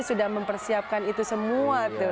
sudah mempersiapkan itu semua tuh